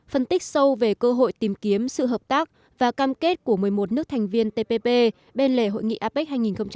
phân tích sâu về cơ hội tìm kiếm sự hợp tác và cam kết của một mươi một nước thành viên tpp bên lề hội nghị apec hai nghìn hai mươi